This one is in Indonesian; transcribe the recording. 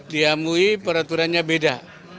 di mui peraturannya beda